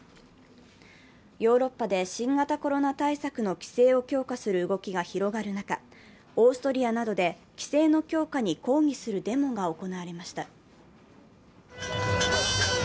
ヨーロッパで新型コロナ対策の規制を強化する動きが広がる中、オーストリアなどで規制の強化に抗議するデモが行われました。